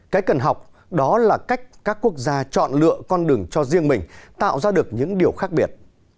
cái cần học đó là cách các quốc gia chọn lựa con đường cho riêng mình tạo ra được những điều khác biệt